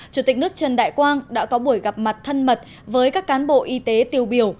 chủ tịch nước trần đại quang đã có buổi gặp mặt thân mật với các cán bộ y tế tiêu biểu